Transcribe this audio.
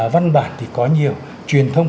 văn bản thì có nhiều truyền thông